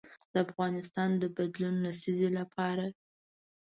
د افغانستان د بدلون لسیزې لپاره.